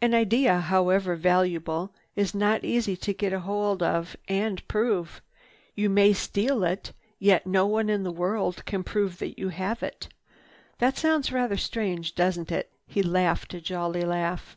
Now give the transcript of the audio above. An idea, however valuable, is not easy to get hold of and prove. You may steal it, yet no one in the world can prove that you have it. That sounds rather strange, doesn't it?" He laughed a jolly laugh.